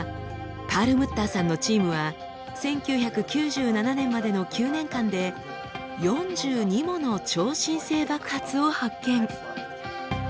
パールムッターさんのチームは１９９７年までの９年間で４２もの超新星爆発を発見。